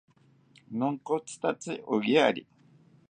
Nonkotzitatzi oyari